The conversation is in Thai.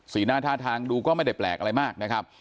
หน้าท่าทางดูก็ไม่ได้แปลกอะไรมากนะครับ